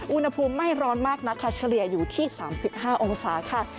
อุณหภูมิไม่ร้อนมากนะคะเฉลี่ยอยู่ที่๓๕องศาค่ะ